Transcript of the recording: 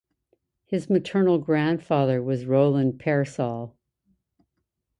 His maternal grandfather was Rowland Pearsall.